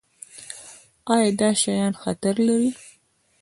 ایا دا شیان خطر لري؟